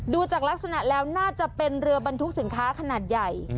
ดูจากลักษณะแล้วน่าจะเป็นเรือบรรทุกสินค้าขนาดใหญ่